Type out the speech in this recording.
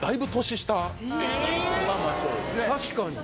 確かに。